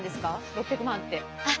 ６００万って。